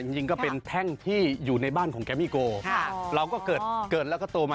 จริงก็เป็นแท่งที่อยู่ในบ้านของแกมี่โกเราก็เกิดเกิดแล้วก็โตมา